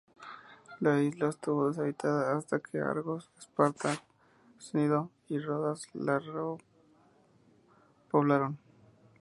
La isla estuvo deshabitada hasta que Argos, Esparta, Cnido y Rodas la repoblaron.